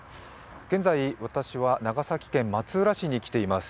現在私は長崎県松浦市に来ています。